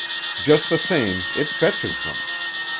Just the same, it fetches them.